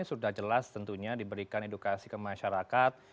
sudah jelas tentunya diberikan edukasi ke masyarakat